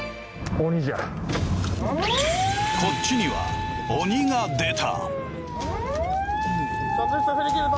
こっちには鬼が出た。